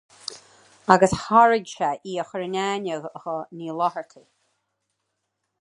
Agus thairg sé í a chur in aithne do Ní Fhlathartaigh.